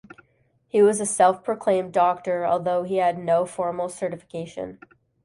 He was a self-proclaimed doctor, although he had no formal certification.